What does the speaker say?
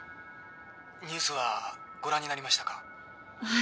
「ニュースはご覧になりましたか？」はい。